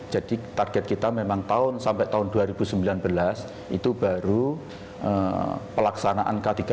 jadi target kita memang tahun sampai tahun dua ribu sembilan belas itu baru pelaksanaan k tiga belas